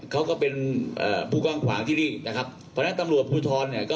เขาก็เป็นเอ่อผู้กว้างขวางที่นี่นะครับเพราะฉะนั้นตำรวจภูทรเนี่ยก็